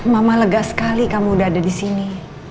mama lega sekali kamu udah ada disini